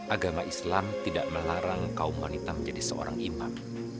agama islam tidak melarang kaum wanita menjadi seorang iman